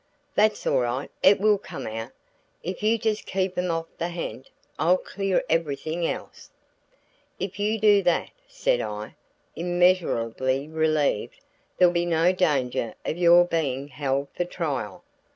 "That's all right it will come out. If you just keep 'em off the ha'nt, I'll clear everything else." "If you do that," said I, immeasurably relieved, "there'll be no danger of your being held for trial."